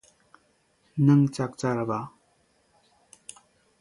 It published the magazine "Lutte Communiste".